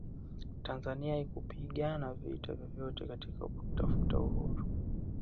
tanzania haikupigana vita yoyote katika kutafuta uhuru